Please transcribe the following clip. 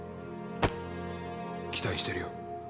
期待してるよ。